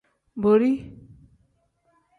Borii.